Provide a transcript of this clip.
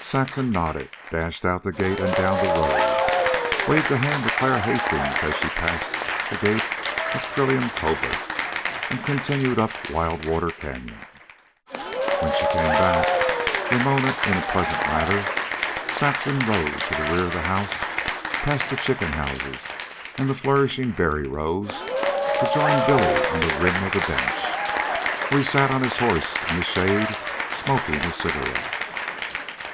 Saxon nodded, dashed out the gate and down the road, waved a hand to Clara Hastings as she passed the gate of Trillium Covert, and continued up Wild Water canyon. When she came back, Ramona in a pleasant lather, Saxon rode to the rear of the house, past the chicken houses and the flourishing berry rows, to join Billy on the rim of the bench, where he sat on his horse in the shade, smoking a cigarette.